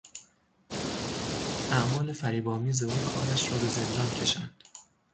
اعمال فریبآمیز او کارش را به زندان کشاند.